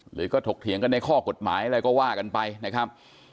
หรือก็ถกเถียงกันในข้อกฎหมายอะไรก็ว่ากันไปนะครับ